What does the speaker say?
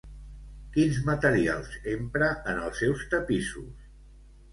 Quins materials empra en els seus tapissos?